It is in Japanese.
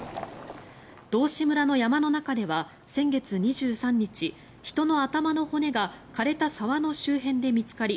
道志村の山の中では先月２３日人の頭の骨が枯れた沢の周辺で見つかり